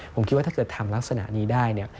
ผมคิดว่าถ้าเกิดทำลักษณะนี้ได้เนี่ย